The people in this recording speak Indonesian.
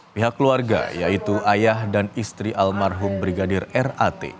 pihak keluarga yaitu ayah dan istri almarhum brigadir r a t